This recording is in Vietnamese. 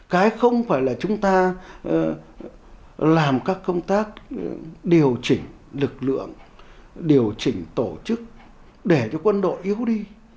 cái không phải là chúng ta làm các công tác điều chỉnh lực lượng điều chỉnh tổ chức để cho quân đội yếu đi